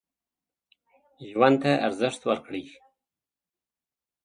ژوند ته ارزښت ورکړئ.